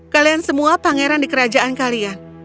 kalian semua pangeran di kerajaan kalian